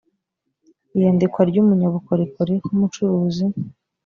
iyandikwa ry umunyabukorikori nk umucuruzi